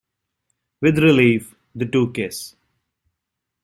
With relief, the two kiss.